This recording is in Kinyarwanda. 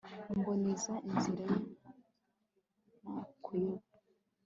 mboneza inzira ye nta kuyoba